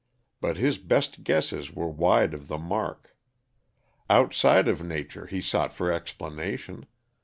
But his best guesses were wide of the mark. Outside of nature he sought for explanation.